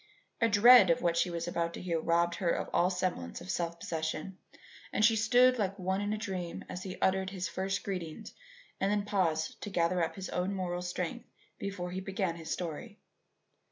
A dread of what she was about to hear robbed her of all semblance of self possession, and she stood like one in a dream as he uttered his first greetings and then paused to gather up his own moral strength before he began his story.